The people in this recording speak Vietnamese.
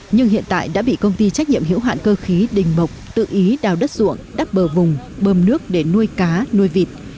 nhưng hiện tại đã bị công ty trách nhiệm hiểu hạn cơ khí đình mộc tự ý đào đất ruộng đắp bờ vùng bơm nước để nuôi cá nuôi vịt